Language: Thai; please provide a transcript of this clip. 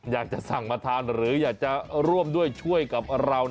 อยากจะสั่งมาทานหรืออยากจะร่วมด้วยช่วยกับเรา